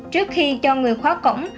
trước khi cho người khóa cổng